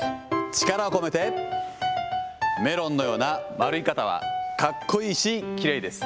力を込めて、メロンのような丸い肩はかっこいいしきれいです。